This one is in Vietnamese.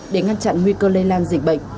để ngăn chặn nguy cơ lây lan dịch bệnh